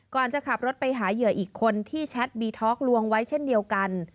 จะขับรถไปหาเหยื่ออีกคนที่แชทบีท็อกลวงไว้เช่นเดียวกัน